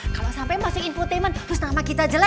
kalau sampai masuk infotainment terus nama kita jelek